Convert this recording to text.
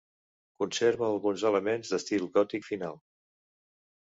Conserva alguns elements d'estil gòtic final.